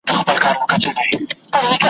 دا هم هوښیاري ده